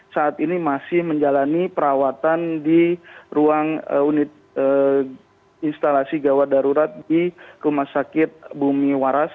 saat ini masih menjalani perawatan di ruang unit instalasi gawat darurat di rumah sakit bumi waras